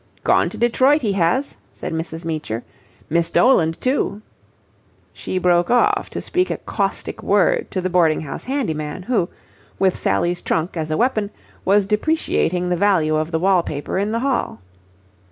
"Gone to Detroit, he has," said Mrs. Meecher. "Miss Doland, too." She broke off to speak a caustic word to the boarding house handyman, who, with Sally's trunk as a weapon, was depreciating the value of the wall paper in the hall.